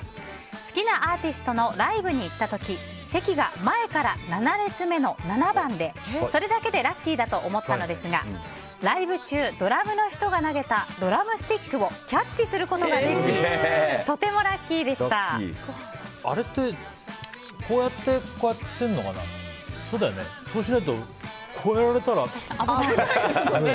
好きなアーティストのライブに行った時席が前から７列目の７番でそれだけでラッキーだと思ったのですがライブ中ドラムの人が投げたドラムスティックをキャッチすることができあれって、こうやってこうやってるのかな？